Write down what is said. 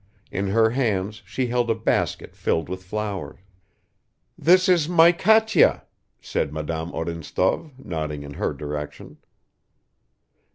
In her hands she held a basket filled with flowers. "This is my Katya," said Madame Odintsov, nodding in her direction.